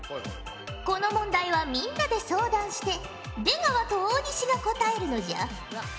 この問題はみんなで相談して出川と大西が答えるのじゃ。